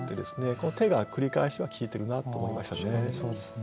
この「手」が繰り返しが効いてるなと思いましたね。